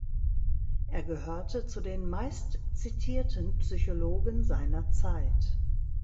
Er gehörte zu den meistzitierten Psychologen seiner Zeit.